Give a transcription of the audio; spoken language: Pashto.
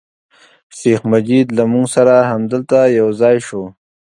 شیخ مجید له موږ سره همدلته یو ځای شو.